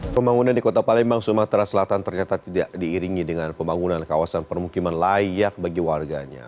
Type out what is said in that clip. pembangunan di kota palembang sumatera selatan ternyata tidak diiringi dengan pembangunan kawasan permukiman layak bagi warganya